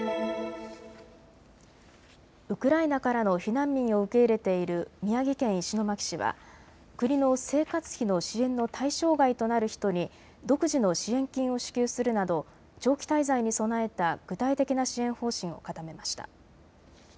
ウクライナからの避難民を受け入れている宮城県石巻市は国の生活費の支援の対象外となる人に独自の支援金を支給するなど長期滞在に備えた具体的な支援方針を固めました。